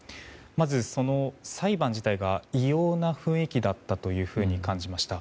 まず、裁判自体が異様な雰囲気だったと感じました。